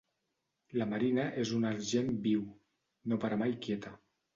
La Marina és un argent viu: no para mai quieta.